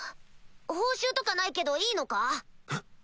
報酬とかないけどいいのか？